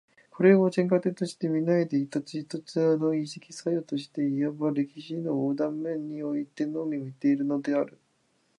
これを全過程として見ないで、一々の意識作用として、いわば歴史の横断面においてのみ見ているのである。